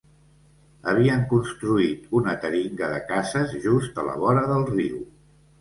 Havien construït una teringa de cases just a la vora del riu.